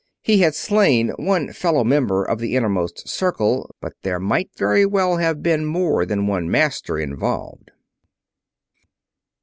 He had slain one fellow member of the Innermost Circle, but there might very well have been more than one Master involved.